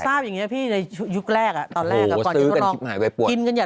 พอทราบอย่างนี้พี่ในยุคแรกอ่ะตอนแรกก่อนที่ต้องลองกินกันอย่างนี้